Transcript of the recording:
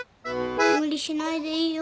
無理しないでいいよ。